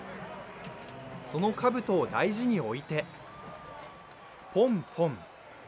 そのかぶとを大事において、ぽんぽん。